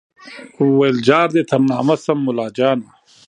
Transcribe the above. ویل جار دي تر نامه سم مُلاجانه